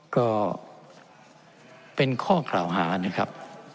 ก็เป็นข้อกล่าวหานะครับ